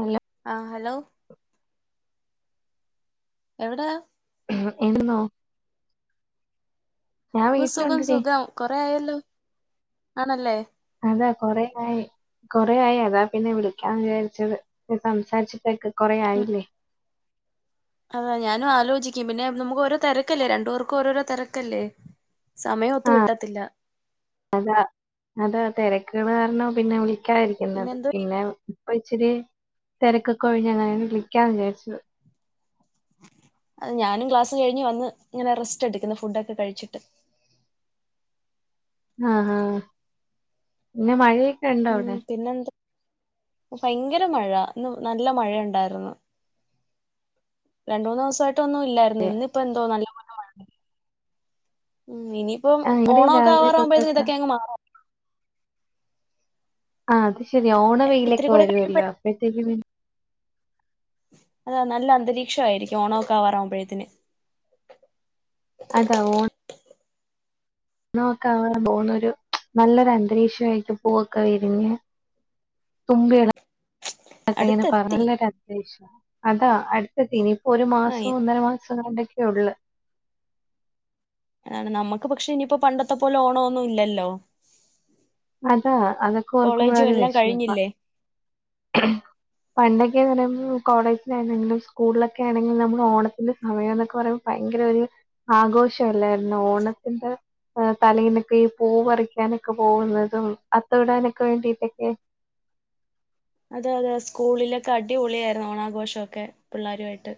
ഉം ആ ഹലോ എവിടേ ൻ എന്നോ ഞാൻ ഒ സുഖം വീട്ടിലുണ്ടെടി സുഖം കൊറേയായല്ലോ ആണല്ലേ അതാ കൊറെയായി കൊറെയയി അതാ പിന്നെ വിളിക്കാന്ന് വിചാരിച്ചത് സംസാരിച്ചിട്ടൊക്ക കൊറെ ഉം ആയില്ലേ അതാ ഞാനും ആലോചിക്കും പിന്നെ നമുക്ക് ഓരോ തെരക്കല്ലേ രണ്ടുപേർക്കും ഓരോരോ തെരക്കല്ലേ സമയം ആ ഒത്ത് കിട്ടത്തില്ല തെരക്കേള് കാരണം പിന്നെ വിളിക്കാതിരിക്കുന്നത് പിന്നെ ഒ ഇച്ചിരി തിരക്കൊക്കെ ഒഴിഞ്ഞങ്ങനെെ ളിക്കാന്ന് വിചാരിചു അ ഞാനും ക്ലാസ്സ് കഴിഞ്ഞ് വന്ന് ഇങ്ങനെ റെസ്റ്റ് എടുക്കുന്ന് ഫുഡ് ഒക്കെ കഴിച്ചിട്ട് ആഹ് പിന്നെ മഴ ഉം പിന്നെ എന്താ ഭയങ്കര മഴ ഇന്ന് നല്ല മഴയുണ്ടായിരുന്നു രണ്ട് മൂന്ന് ദിവസമായിട്ട് ട്ടൊന്നും ഇല്ലായിരുന്നു ഇന്ന് ഇപ്പ എന്തോ നല്ല ആ [unintelligible] ഉം ഇനിയിപ്പം ആ ഇവിടെ ഓണൊക്കെ രാവിലെ ആവാറാവകുമ്പോഴ തൊട്ടൊക്കെ ഇതൊക്കെയങ്ങ് മാറു ആ അതെ [unintelligible] ശരി ഓണ എ, ഇത്തിരി വെയിലൊക്കെ കൂടെ വരുവല്ലോ കഴിയുമ്പഴ അപ്പോഴത്തേക്കും പി അതാ നല്ല അന്തരീക്ഷ ആയിരിക്കും ഓണ ഒക്കെ ആവാറകുമ്പോഴുത്തേന് അതാ ഓൺ ണഒക്കെ അവൻ പോവുന്ന ഒരു നല്ലൊരു അന്തരീക്ഷമായിട്ട് പൂവൊക്കെ വിരിഞ്ഞ് തുമ്പിട അതൊക്കെ ഇങ്ങനെ പറഞ്ഞ അടുത്തെത്തി നല്ലൊരു അന്തരീക്ഷ [unintelligible] അതാ അടുത്തെത്തി ഇനി ഒരു മാസം ആഹ് ഒന്നര മാസം രണ്ട [unintelligible] ക്ക ഒള്ള് അതാണ് നമ്മുക്ക് പക്ഷെ ഇനിയിപ്പോ പണ്ടത്തെ പോലെ ഓണം ഒന്നും ഇല്ലല്ലോ അതാ അതൊക്കെ ഓർക്കുമ്പോഴ കോളേജും ഒരു എല്ലാം വിഷമപ്പ കഴിഞ്ഞില്ലേ പണ്ടൊക്കെന്ന് പറയുമ്പോൾ കോളേജില ആണെങ്കിലും സ്കൂളിലൊക്കെ ആണെങ്കിലും നമ്മൾ ഓണത്തിന്റെ സമയം എന്നൊക്കെ പറയുമ്പൾ ഭയങ്കര ഒരു ആഘോഷമല്ലായിരുന്നു ഓണത്തിന്റെ തലയിനൊക്കെ ഈ പൂ പറിക്കാനൊക്കെ പോകുന്നത് അത്തവിടാനൊക്കെ വേണ്ടിട്ടൊക്കെ അതെ അതെ സ്കൂളിലൊക്കെ അടിപൊളിയായിരുന്നു ഓണാഘോഷം ഒക്കെ പിള്ളേരുയിട്ട്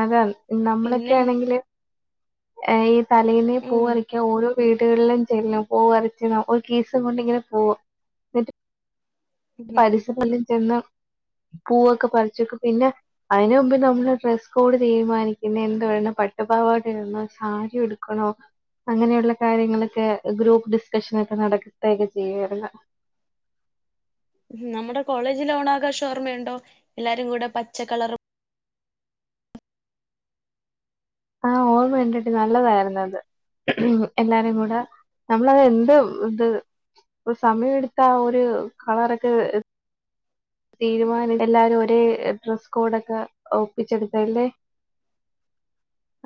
അതാണ് പിന്നെ നമ്മളൊക്കെ ആണെങ്കില് ഏ തലേന്നെ ഉം പൂവറിക്കാൻ ഓരോ വീടുകളല്ലാം ചെല്ലണം പോവ അരച്ച ഒരു കേീസം കൊണ്ടിങ്ങനെ പോക എന്നിട്ട് ഉം ഉം. പസ [unintelligible] ചെന്ന് പൂവൊക്കെ പറച്ച് വക്കും പിന്നെ അതിനന് മുമ്പ് നമ്മള് ഡ്രെസ്സ് കോഡ് തീരുമാനിക്കുന്ന എന്ത വണം പട്ടുപാവാട്ട് ഇുന്നോ സാരി എടുക്കണോ അങ്ങനെയുള്ള കാര്യങ്ങളൊക്കെ ഗ്രൂപ്പ് ഡിസ്കഷൻ ഒക്കെ നടക്കത്തയൊക്കെ ചെയ്യരുന്നു നമ്മുടെ കോളേജിൽ ഓണാഘോഷം ഓർമ്മയുണ്ടോ എല്ലാവരും കൂടെ പച്ചക്കളറും ആ ഓർമ്മയുണ്ടടി നല്ലതായിരുന്നു അത് എല്ലാവരും കൂടെ നമ്മളത് എന്ത് ഇത് സമയെടുത്ത ഒരു കളറൊക്കെ തീരുമാനം എല്ലാവരും ഒരേ ഡ്രസ്സ് കോഡൊക്കെ ഒപ്പിച്ചെടുത്തല്ലേ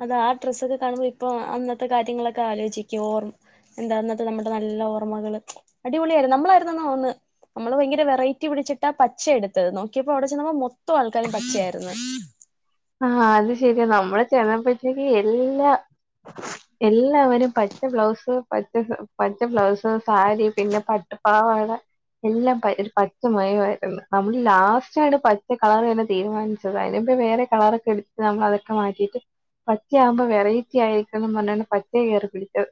അത് ആ ഡ്രസ്സൊക്കെ കാണുമ്പോ ഇപ്പൊ അന്നത്തെ കാര്യങ്ങളൊക്കെ ആലോചിക്കും ഓർക്കും. എന്താ അന്നത്തെ നമ്മുടെ നല്ല ഓർമ്മകൾ അടിപൊളി ആയിരുന്നു. നമ്മൾ ഭയങ്കര വെറൈറ്റി പിടിച്ചിട്ടാ പച്ച എടുത്തത് നോക്കിയപ്പോ അവിടെ ചെന്നപ്പോൾ മൊത്തം ആൾക്കാരും പച്ചയായിരുന്നു. ആ അത് ശരിയാ നമ്മൾ ചെന്നെപ്പോഴേക്ക് എല്ലാ എല്ലാവരും പച്ച ബ്ലൗസ് പച്ച പച്ച ബ്ലൗസ് സാരി പിന്നെ പട്ട് പാവട എല്ലാം ഒരു പച്ച മഴമായിരുന്നു. നമ്മൾ ലാസ്റ്റാണ് പച്ച കളർ തന്നെ തീരുമാനിച്ചത്. അതിപ്പോ വേറെ കളറൊക്കെ എടുത്തിട്ട് നമ്മൾ അതൊക്കെ മാറ്റിയിട്ട് പച്ചയാവുമ്പോ വെറെറ്റി ആയിരിക്കണം പറഞ്ഞാണ് പച്ച കയറി പിടിച്ചത്.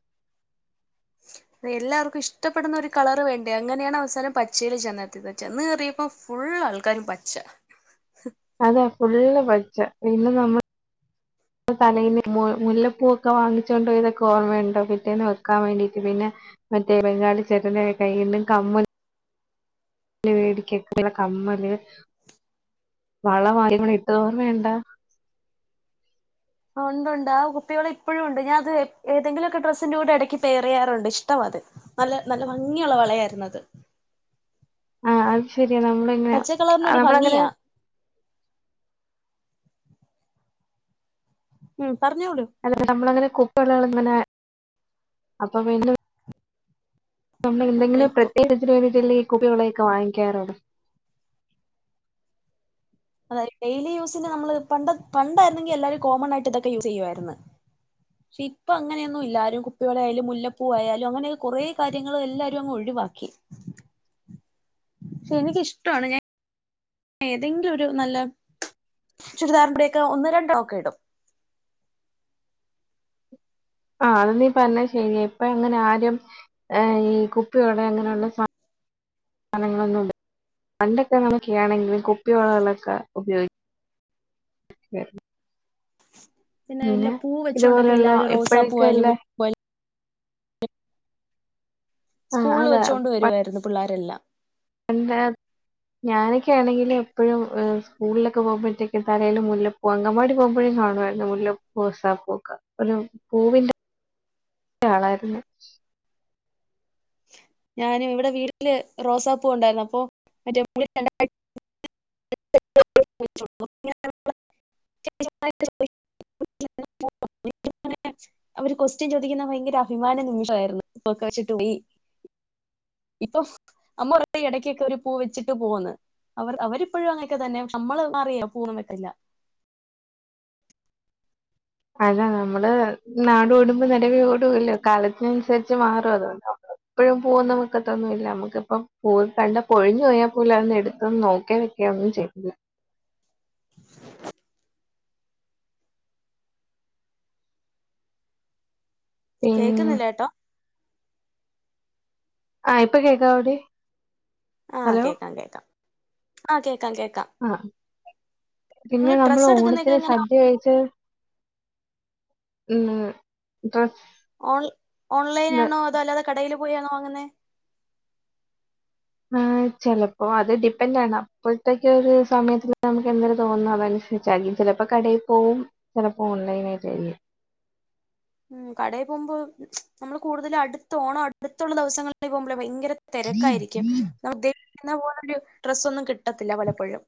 എല്ലാവർക്കും ഇഷ്ടപ്പെടുന്ന ഒരു കളർ വേണ്ടേ അങ്ങനെയാണ് അവസാനം പച്ചേൽ ചെന്നെത്തിയത്. ചെന്ന് കയറിയപ്പോ ഫുൾ ആൾക്കാരും പച്ച അതെ ഫുള്ള് പച്ച പിന്നെ നമ്മൾ തലേന്ന് മുല്ലപ്പൂവൊക്കെ വാങ്ങിച്ചോണ്ട് പോയതൊക്കെ ഓർമ്മയുണ്ടോ പിറ്റേന്ന് വെക്കാൻ വേണ്ടിട്ട് പിന്നെ മറ്റേ ബെങ്കാളി ചെട്ടൻന്റെ കൈയിൽ കമ്മൽ വേടിക്കക്കല്ല കമ്മൽ വളമാല ഇട്ടത് ഓർമ്മ ഉണ്ട ഉണ്ട് ഉണ്ട് ആ കുപ്പിവള ഇപ്പോഴും ഉണ്ട്. ഞാൻ അത് ഏതെങ്കിലുമൊക്കെ ഡ്രസ്സിന്റെറെ കൂടെ ഇടക്ക് പേറിയാറുണ്ട് ഇഷ്ടം അത് നല്ല നല്ല ഭംഗിയുള്ള വളയായിരുന്നു അത് ആ അത് ശരിയാ നമ്മൾ എങ്ങനെ പച്ച കളറിനൊരു നമ്മൾ എങ്ങനെ ഭംഗിയാ ഉം പറഞ്ഞോളൂ അല്ലെ നമ്മളങ്ങനെ കൊ [inaudible] അപ്പൊ പിന്നെ നമ്മൾ ആ എന്തെങ്കിലും ഇപ്പൊ പ്രത്യേകത്തിന് വേണ്ടി ഈ കുപ്പികളൊക്കെ വാങ്ങിക്കാറോട അതായത് ഡെയിലി യൂസിന് നമ്മൾ പണ്ടായിരുന്നെങ്കിൽ എല്ലാവരും കോമൺ ആയിട്ട് ഇതൊക്കെ യൂസ് ചെയ്യുവായിരുന്നു. പക്ഷെ ഇപ്പൊ അങ്ങനെയൊന്നും അങ്ങനെ പൊന്നുമില്ല. കുപ്പിവള ആയാലും മുല്ലപ്പൂവ് ആയാലും അങ്ങനെെ കൊറെേ കാര്യങ്ങൾ എല്ലാരും അങ്ങ് ഒഴിവാക്കി. പക്ഷെ എനിക്കിഷ്ടമാണ് ഞാൻ ഏതെങ്കിലും ഒരു നല്ല ചുരിദാർ [inaudible] ഒന്ന് രണ്ട് ഒക്കെ ഇടും. ആ അത് നീ പറഞ്ഞ ശരിയ ഇപ്പൊ എങ്ങനെ ആരും ഈ കുപ്പിവള അങ്ങനെയുള്ള സാധനങ്ങളൊന്നും പണ്ടൊക്കെ നോക്കെയാണെങ്കിൽ കുപ്പിവളകളൊക്കെ ഉപയോഗിക്ക പിന്നെ എല്ലാ പൂവ് വെച്ചോണ്ടൊക്കെ ഇതുപോലുള്ള എല്ലാവരും റോസാ പൂവായാലും ഇപ്പഴൊക്കെയുള്ള മുല്ലപ്പൂവാലും ആഹ് സ്കൂളിൽ വെച്ചുകൊണ്ട് വരുവായിരുന്നു പിള്ളേരെല്ലാം എന്താ ഞാനൊക്കൊണെങ്കിൽ എപ്പോഴും സ്കൂളിലൊക്കെ പോകുമ്പോഴത്തേക്കും തലേയിൽ മുല്ലപ്പൂ അങ്കണവാടി പോകുമ്പോഴും കാണുമായിരുന്നു മുല്ലപ്പൂ റോസാപ്പൂ ഒക്കെ ഒരു പൂവിന്റെ ആളായിരുന്നു ഞാനും ഇവിടെ വീട്ടിൽ റോസാപ്പൂ ഉണ്ടായിരുന്നു അപ്പൊ മറ്റേ രണ്ട [inaudible] [inaudible] [inaudible] അവർ കൊസ്റ്റ്യൻ ചോദിക്കുന്ന ഭയങ്കര അഭിമാന നിമിഷമായിരുന്നു [inaudible] വെച്ചിട്ട് പോയി ഇപ്പൊ അമ്മ ഒരു ഇടയ്ക്കൊക്കെ ഒരു പൂവ് വെച്ചിട്ട് പോവെന്ന് അവർ അവരിപ്പോഴും അങ്ങനെയൊക്കെ തന്നെ നമ്മൾ അറിയാം പൂവ് ഒന്നും വെക്കില്ല. അല്ല നമ്മൾ നാട് ഓടുമ്പോ നടുവ ഓടല്ലോ കാലത്തിനനുസരിച്ച് മാറും അതുകൊണ്ട് എപ്പോഴും പൂവൊന്നും വെക്കത്തൊന്നുമല്ല നമ്മുക്കിപ്പോ പൂവ് കണ്ട കൊഴിഞ്ഞു പോയാൽ പോലും അതൊന്ന് എടുത്തെന്ന് നോക്കിയ വെക്ക ഒന്നും ചെയ്യല്ല [inaudible] പിന്നെ കേൾക്കുന്നില്ലേട്ടോ ആ ഇപ്പൊ കേൾക്കാ നോക്കേ ആ കേൾക്കാം കേൾക്കാം ആ കേൾക്ക ആ പിന്നെ നിങ്ങള് നമ്മൾ ഡ്രസ്സ് എടുക്കുന്നതൊക്കെ ഓണത്തിന് എങ്ങനെ സദ്യ കഴിച്ച് ഉം ഡ്രസ് ഓ ഓൺലൈൻ ന്ന്, ആണോ അതോ അല്ലാതെ കടയിൽ പോയിയാണോ വാങ്ങുന്നേ ആഹ് ചെലപ്പോ അത് ഡിപ്പെൻറ്റാണ് അപ്പോഴ്ത്തേക്ക് ഒരു സമയത്തിന് നമുക്ക് എന്തര് തോന്നുന്നോ അതനുസരിച്ചരിക്കും ചെലപ്പോ കടെ പോവും ചെലപ്പോ ഓൺലൈൻ ആയിട്ടാരിക്കും. ഉം കടെ പോമ്പോ നമ്മള് കൂടുതല് അടുത്ത് ഓണം അടുത്തോള്ള ദേവസങ്ങളിലായി പോമ്പോളേ ഭയങ്കര തെരക്കാരിക്കും [unintelligible] ശിക്കുന്ന പോലൊരു ഡ്രസ്സ് ഒന്നും കിട്ടത്തില്ല പലപ്പോഴും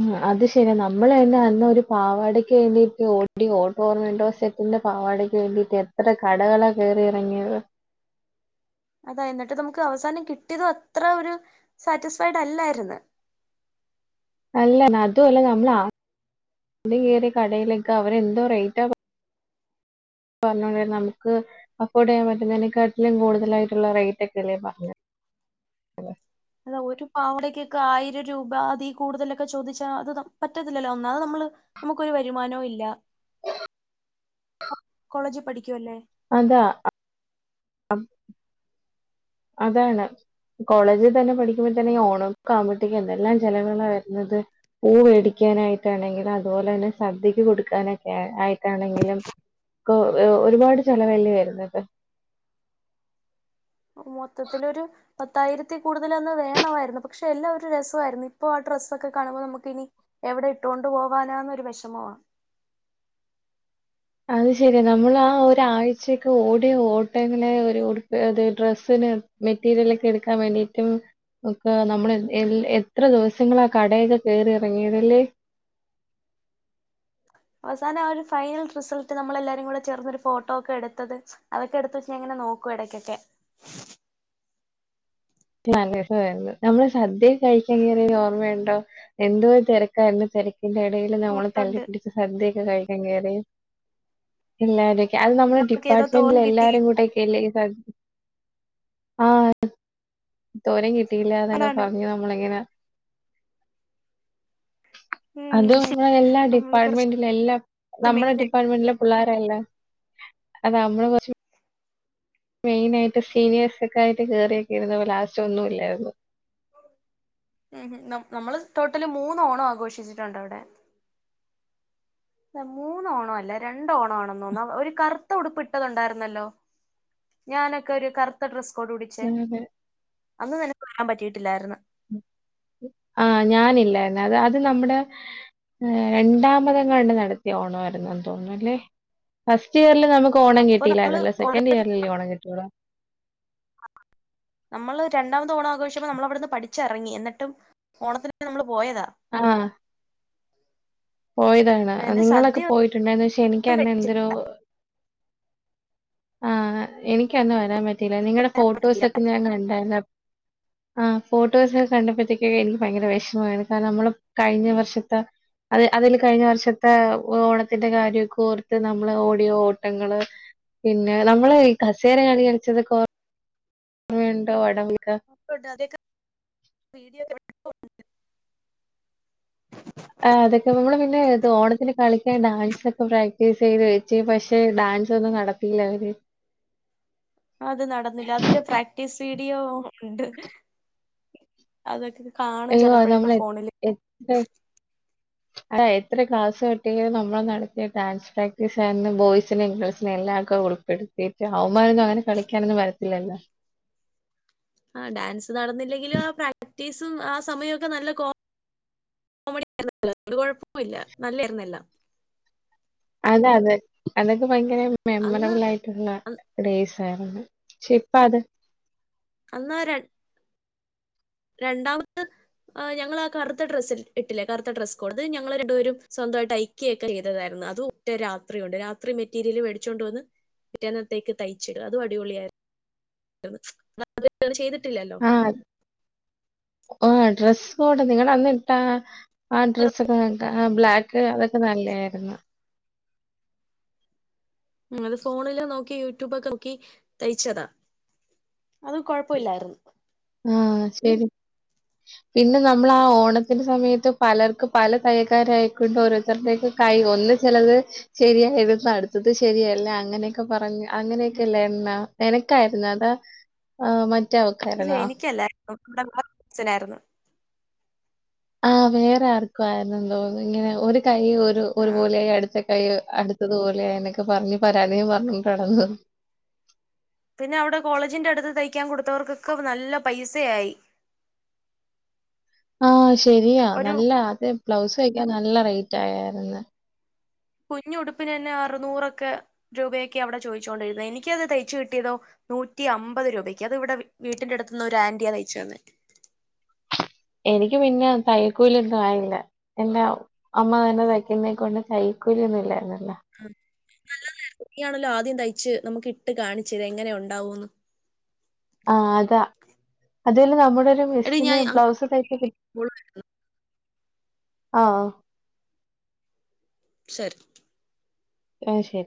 മ്മ് അത് ശെരിയാ നമ്മള്തന്നെ അന്ന് ഒരു പാവാടക്ക് വേണ്ടിട്ട് ഓടിയ ഓട്ടം ഓർമയുണ്ടോ സെറ്റിന്റെ പാവാടക്ക് വേണ്ടിട്ട് എത്ര കടകളാ കേറി എറങ്ങിയത്. അതാ എന്നിട്ട് നമുക്ക് അവസാനം കിട്ടിയതും അത്ര ഒരു സാറ്റിസ്ഫൈഡ് അല്ലാര്ന്ന് അല്ല നതും അല്ല നമ്മള് ആ ദ്യം കേറിയ കടയിലൊക്കെ അവരെന്തോ റേറ്റാ പറ പറഞ്ഞൊണ്ടിരുന്നേ നമുക്ക് അഫോർഡ് ചെയ്യാൻ പറ്റുന്നതിനേക്കാട്ടിലും കൂടുതലായിട്ടുള്ള റേറ്റ്ക്കെല്ലേ പറഞ്ഞത്. അതാ ഒരു പാവടക്കൊക്കെ ആയിരം രൂപ അതീ കൂടുതലൊക്കെ ചോദിച്ചാ അത് പറ്റത്തില്ലല്ലോ ഒന്നാത് നമ്മള് നമുക്കൊരു വരുമാനോ ഇല്ല കോളേജി പഠിക്കുവല്ലേ അതാ അതാണ് കോളേജി തന്നെ പഠിക്കുമ്പോത്തന്നെ ഓണോക്ക ആവുമ്പോത്തേക്കും എന്തെല്ലാം ചെലവുകളാ വരുന്നത് പൂ മേടിക്കാനായിട്ടാണെങ്കിലും അതുപോലെ തന്നെ സദ്യക്ക് കൊടുക്കാനൊക്കെ ആയിട്ടാണെങ്കിലും ക്കെ ഒ ഒരുപാട് ചെലവല്ലേ വരുന്നത്. മൊത്തത്തിലൊരു പത്തായിരത്തി കൂടുതല് അന്ന് വേണവാരുന്നു പക്ഷേ എല്ലാം ഒരു രസവാരുന്നു ഇപ്പോ ആ ഡ്രസ്സൊക്കെ കാണുമ്പോ നമുക്ക് ഇനി എവിടെ ഇട്ടോണ്ട് പോവാനാന്നൊരു വെഷമവാ അത് ശെരിയാ നമ്മള് ആ ഒരാഴ്ചയൊക്കെ ഓടിയ ഓട്ടങ്ങനെ ഒരു ഉടുപ്പി ഡ്രസ്സിന് മെറ്റീരിലക്കെ എടുക്കാൻ വേണ്ടിട്ടും ഒക്കെ നമ്മൾ എ എത്ര ദിവസങ്ങളാ കടയൊക്കെ കേറി എറങ്ങിയതല്ലേ. അവസാനം ആ ഒരു ഫൈനൽ റിസൾട്ട് നമ്മളെല്ലാരും കൂടെ ചേർന്നൊരു ഫോട്ടോ ഒക്കെ എടുത്തത് അതൊക്കെ എടുത്ത് വച്ച് ഇങ്ങനെ നോക്കും എടക്കൊക്കെ. [unintelligible] നമ്മള് സദ്യ കഴിക്കാ കേറിയത് ഓർമ്മയൊണ്ടോ എന്തോ തെരക്കാരുന്നു തെരക് ക്കിന്റെ എടെല് നമ്മള് നോട്ടുണ്ട് തള്ളിപിടിച്ച് സദ്യൊക്കെ കഴിക്കാൻ കേറി പിള്ളരേക്കെ അത് നമ്മുടെ നമുക്ക് ഏതോ തോൻ ഡിപ്പാർട്ട്മെന്റിലെ കിട്ടി എല്ലാരും കൂടെക്കെല്ലെ സദ് ആഹ് തോരൻ കി കിട്ടീല്ല ന്നൊക്കെ അതാണ് പറഞ്ഞു നമ്മളിങ്ങനെ ഉം അത് നമ്മുടെ എല്ലാ നമ്മള് കുറച്ച് ഡിപ്പാർട്ട്മെന്റിലെ എല്ലാ നമ്മുടെ മെയിൻ ഡിപ്പാർ്മെന്റിലെ പിള്ളേരല്ലേ അത് നമ്മള് കൊറച്ച് മെയിന് ആയിട്ട് സീനിയേഴ്സ് അക്കെ ആയിട്ട് കേറിയൊക്കെ ഇരുന്നപ്പം ലാസ്റ്റ് ഒന്നുംല്ലായ്രുന്നു ഉം നമ് നമ്മള് ടോട്ടല് മൂന്ന് ഓണം ആഘോഷിച്ചിട്ടിണ്ട് അവ്ടെ ല്ല മൂന്ന് ഓണാല്ല രണ്ട് ഓണാണെന്ന്തോന്ന് അഹ് ഒരു കറുത്ത ഉടുപ്പിട്ടത്ണ്ടായിരുന്നല്ലോ ഞാനൊക്കെ ഒരു കറുത്ത ഡ്രസ് കൊട പിടിച്ചേ അങ്ങനെ അന്ന് തന്നെ പോകാൻ പറ്റിയിട്ടില്ലായിരുന്നു ആഹ് ഞാനില്ലായിര്ന്ന് അത് അത് നമ്മുടെ രണ്ടാമതാങ്ങണ്ടെ നടത്തിയ ഓണം ആയിരുന്നെന്ന് തോന്നുന്നു ല്ലെ ഫസ്റ്റ് ഇയറില് നമുക്ക് ഓണം അപ്പൊ നമ്മള് കിട്ടീല്ലായിരുന്നല്ലോ ഓൾറെഡി സെക്കൻഡ് ഇയറിൽല്ലെ ഓണം കിട്ടൊള്ളൂ രണ്ടാമത്തെ ഓണം ആഘോഷ്യപ്പോ നമ്മള് അവിടന്ന് പഠിച്ചെറങ്ങി എന്നിട്ടും ഓണത്തിന് ന്ന് നമ്മള് പോയതാ ആഹ് പോയതാണ് അതിന് നിങ്ങളൊക്കെ സദ്യ പോയിട്ട്ണ്ട് എന്ന് വെച്ചാ എനിക്ക് ഒന്നും അന്ന് കഴിച്ചില്ല എന്തൊരോ ആഹ് എനിക്കന്ന് വരാൻ പറ്റ് പിന്നെ നിങ്ങളുടെ പറ്റിയില്ല ഫോട്ടോസൊക്കെ ഞാനന്ന് കണ്ടാര്ന്നപ് ആഹ് ഫോട്ടോസൊക്കെ കണ്ടപ്പഴേത്തേക്ക് എനിക്ക് ഭയങ്കര വെഷ്മായിന്ന് കാരണം നമ്മള് കഴിഞ്ഞ വർഷത്തെ അത് അതില് കഴിഞ്ഞ വർഷത്തെ ഓണത്തിന്റെ കാര്യൊക്കെ ഓർത്ത് നമ്മള് ഓടിയ ഓട്ടങ്ങള് പിന്നെ നമ്മള് ഈ കസേര കളി കൾച്ചതൊക്കെ ഓർ ർമയുണ്ടോ വടം വ [unintelligible] കെ ഡാൻസ് ഒക്കെ പ്രാക്ടീസ് ചെയ്ത് വച്ചു പക്ഷെ ഡാൻസ് ഒന്നും നടത്തില്ല അവര് അത് നടന്നില്ല അതിന്റെ പ്രാക്ടീസ് സീഡിയോ ഉണ്ട് അതൊക്കെ കാണും അയ്യോ ചിലപ്പോഴൊക്കെ നമ്മൾ ഫോണിൽ എത്ത് എത് അത എത്ര ക്ലാസ് എട്തിഞ് നമ്മൾ നടത്തിയ ഡാൻസ് പ്രാക്ടീസ് ആരുന്നു ബോയ്സിനെയും ഗേൾസിനെയും എല്ലാം ഒക്കെ ഉളൾപ്പെെടുത്തിട്ട് അവമാനൊന്നും അങ്ങനെ കളിക്കാനൊന്നും വരത്തില്ലല്ലോ അ ഡാൻസ് നടന്നില്ലെങ്കിലും ആ പ്രാക്ടീസും ആ സമയൊക്കെ നല്ല കോമഡിഴപ്പല്ല നല്ലായിരുന്നല്ല അതെ അതെ അതൊക്കെ ഭയങ്കര അന്ന് മെമ്മറബിൾ ആയിട്ടുള്ള ഡേസ് വേറെന്ത ഷേഇപ്പാ തെ അന്ന രൺ രണ്ടാമത്അ ഞങ്ങൾ ആ കറുത്ത ഡ്രസ്സ് ഇട്ടില്ലേ കറുത്ത ഡ്രസ്കോട് അത് ഞങ്ങള് രണ്ടുപേരും സ്വന്തയിട്ട് അയക്കുകയൊക്കെ ചെയ്തതായിരുന്നു അത് ഒറ്റ രാത്രികൊണ്ട് രാത്രി മെറ്റീരിയൽ മേടിച്ചൊണ്ട വന്ന് പിറ്റന്നത്തേക്ക് തയ്ച്ചിടും അതും അടിപൊളിയായി ചെയ്തി ടില്ലല്ലോ ആ ആ ഡ്രസ്സ് കോഡ് നിങ്ങള അന്നിട്ടാ ആ ഡ്രസ്സൊക്കെ ബ്ലാക്ക് അതൊക്കെ നല്ലയിരുന്നു ഉം അത് ഫോണില് നോക്കി യൂട്യൂബൊക്കെ നോക്കി തയ്ച്ചതാ അതും കൊഴപ്പ ഇില്ലായിരുന്നു ആഹ് ശരി പിന്നെ നമ്മള് ആ ഓണത്തിന്റെ സമയത്ത് പലർക്ക് പല തയ്യക്കാരായിക്കൊണ്ട് ഓരോരുത്തരുടെക്കെ കൈ ഒന്ന് ചിലത് ശരിയായിരുന്നു അടുത്തത് ശരിയല്ലേ അങ്ങനെയൊക്കെ പറഞ് അങ്ങനെയൊക്കെല്ലേ എണ്ണ എനക്കയിരുന്നെടാ ആമ യെ അവക്കാരുന്നോ [unintelligible] ഛനായിരുന്നു ആഹ് വേറെ ആർക്കൊ ആയിരുന്നു തോന്നു ഇങ്ങനെ ഒരു കൈ ഒരു ആഹ് ഒരുപോലെയ അടുത്ത കൈ അടുത്തത്പോലെ എന്നൊക്കെ പറഞ്ഞ് പരാതിയും പറഞ്ഞ കടന്നു പിന്നെ അവിടെ കോളേജിന്റെ അടുത്ത് തയ്ക്കാൻ കൊടുത്തവർക്കൊക്കെ നല്ല പൈസയായി ആഹ് ശ് ശരിയാ ഒരു നല്ല അത് ബ്ലൗസഴക്കാൻ നല്ല റൈ റ്റായരുന്ന് കുഞ്ഞുടുപ്പിന് തന്നെ അറുനൂറൊക്കെ രൂപയൊക്കെ അവിടെ ചോയിച്ചോണ്ടിരുന്നേ എനിക്ക അത് തയ്ച്ച് കിട്ടിയതോ നൂറ്റി അമ്പത് രൂപക്ക് അത് ഇവിടെ വീട്ടിന്റെ അടുത്തുന്ന് ഒരു ആൻറിയാ തയ്ച്ചു തന്നെ എനിക്ക് പിന്നെ തൈക്കൂലിന്നും പറായില്ല എൻറെ അമ്മ തന്നെ തയ്ക്കുന്നേക്ക കൊണ്ട് തൈക്കൂലി ഒന്നും ഇല്ലായിരുന്ന നല്ലത ഇയാണല്ലോ ആദ്യം തയ്ച്ച് നമുക്ക് ഇട്ട് കാണിച്ചെര എങ്ങനെ ണ്ടാവോന്ന് ആ അതാ അതല നമ്മ നരു എടി മെസ്സിന് ഞാൻ അങ്ങോട്ട് ബ്ലൗസ്തൈപിക് ആഹ് ശരി ആഹ് ശരി